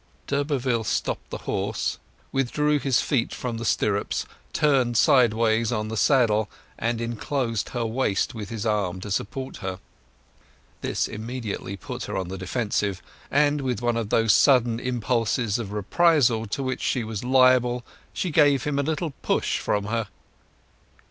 D'Urberville stopped the horse, withdrew his feet from the stirrups, turned sideways on the saddle, and enclosed her waist with his arm to support her. This immediately put her on the defensive, and with one of those sudden impulses of reprisal to which she was liable she gave him a little push from her.